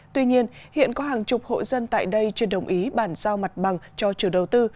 tuy nhiên hiện có hàng chục hộ dân tại đây chưa đồng ý bản giao mặt bằng cho trường đầu tư